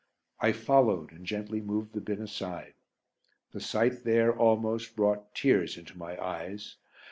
I followed and gently moved the bin aside. The sight there almost brought tears into my eyes.